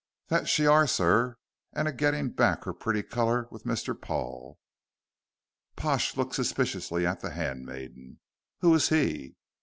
"That she are, sir, and a getting back her pretty color with Mr. Paul." Pash looked suspiciously at the handmaiden. "Who is he?"